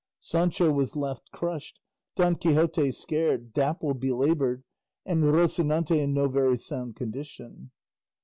Sancho was left crushed, Don Quixote scared, Dapple belaboured and Rocinante in no very sound condition.